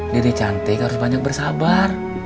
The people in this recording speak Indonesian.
diri cantik harus banyak bersabar